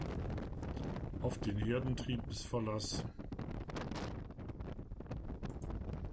Auf den Herdentrieb ist Verlass.